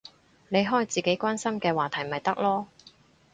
你開自己關心嘅話題咪得囉